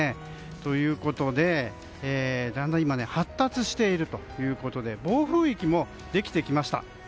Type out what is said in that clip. ということで、だんだん発達しているということで暴風域もできてきました。